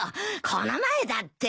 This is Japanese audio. この前だって。